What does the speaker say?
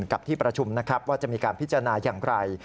กับที่ประชุมนะครับว่าจะมีการพิจารณาอย่างไร